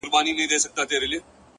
ځمه گريوان پر سمندر باندي څيرم